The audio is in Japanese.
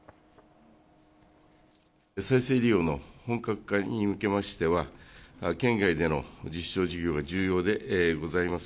再生利用の本格化に向けましては、県外での実証事業が重要でございます。